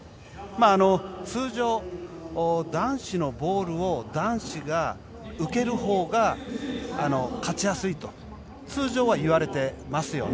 通常、男子のボールを男子が受けるほうが勝ちやすいと通常は言われてますよね。